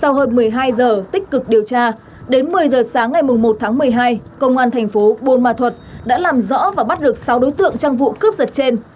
trong một mươi hai h tích cực điều tra đến một mươi h sáng ngày một tháng một mươi hai công an thành phố bồn mà thuật đã làm rõ và bắt được sáu đối tượng trang vụ cướp giật trên